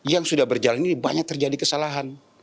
yang sudah berjalan ini banyak terjadi kesalahan